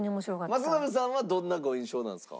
政伸さんはどんなご印象なんですか？